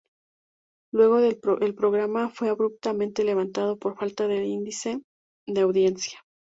Luego el programa fue abruptamente levantado por falta de índice de audiencia.